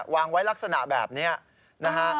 วางไว้ลักษณะแบบนี้นะฮะ